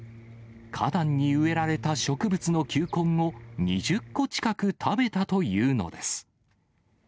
花壇に植えられた植物の球根を２０個近く食べたというのです。